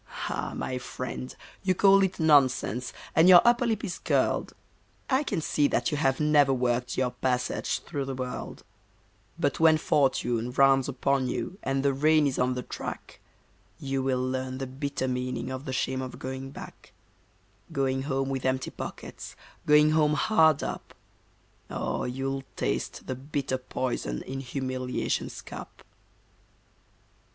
Ah! my friend, you call it nonsense, and your upper lip is curled, I can see that you have never worked your passage through the world; But when fortune rounds upon you and the rain is on the track, You will learn the bitter meaning of the shame of going back; Going home with empty pockets, Going home hard up; Oh, you'll taste the bitter poison in humiliation's cup.